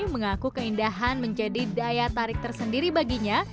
mengaku keindahan menjadi daya tarik tersendiri baginya